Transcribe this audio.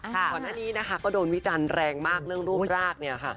ตอนนี้ก็โดนวิจันแรงมากเรื่องรูปราก